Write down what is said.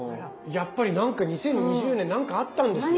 やっぱり何か２０２０年何かあったんですね。